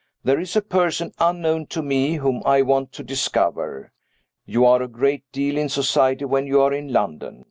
There is a person, unknown to me, whom I want to discover. You are a great deal in society when you are in London.